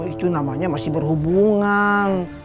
itu namanya masih berhubungan